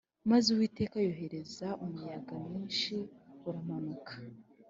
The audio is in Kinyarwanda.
Maze uwiteka yohereza umuyaga mwinshi uramanuka